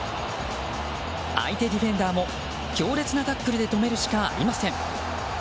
相手ディフェンダーも強烈なタックルで止めるしかありません。